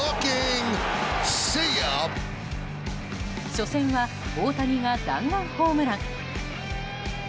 初戦は大谷が弾丸ホームラン。